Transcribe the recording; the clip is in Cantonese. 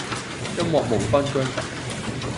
音樂無分彊界